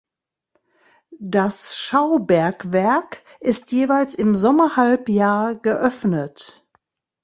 Das Schaubergwerk ist jeweils im Sommerhalbjahr geöffnet.